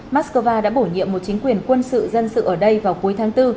mắc cơ va đã bổ nhiệm một chính quyền quân sự dân sự ở đây vào cuối tháng bốn